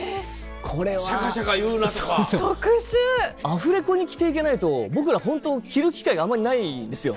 アフレコに着て行けないと僕ら本当着る機会があんまりないんですよ。